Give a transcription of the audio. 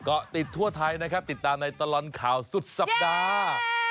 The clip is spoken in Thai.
เกาะติดทั่วไทยนะครับติดตามในตลอดข่าวสุดสัปดาห์